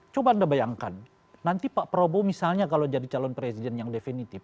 coba anda bayangkan nanti pak prabowo misalnya kalau jadi calon presiden yang definitif